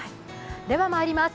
ではまいります